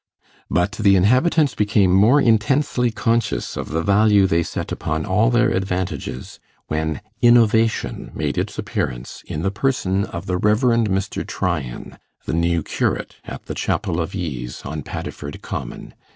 But the inhabitants became more intensely conscious of the value they set upon all their advantages, when innovation made its appearance in the person of the Rev. Mr. Tryan, the new curate, at the chapel of ease on Paddiford Common.